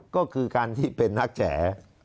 ก็คือการที่เป็นนักแจ๋